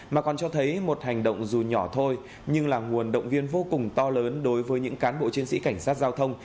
mà còn cho thấy một hành động dù nhỏ thôi nhưng là nguồn động viên vô cùng to lớn đối với những cán bộ chiến sĩ cảnh sát giao thông